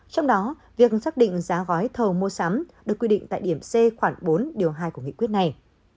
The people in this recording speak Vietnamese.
trong đó việc xác định giá gói thầu mua sắm được quy định tại điểm c khoảng bốn điều hai của nghị quyết này